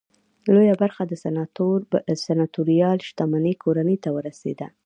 لویه برخه د سناتوریال شتمنۍ کورنۍ ته ورسېده.